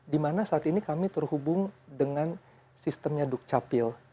dimana saat ini kami terhubung dengan sistemnya dukcapil